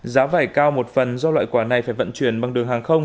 giá vải cao một phần do loại quả này phải vận chuyển bằng đường hàng không